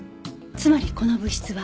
つまりこの物質は。